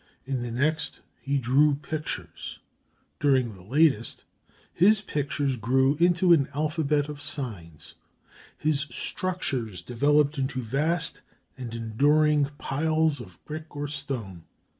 In the next, he drew pictures. During the latest, his pictures grew into an alphabet of signs, his structures developed into vast and enduring piles of brick or stone.